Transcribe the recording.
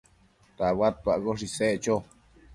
tabadtuaccoshe isec cho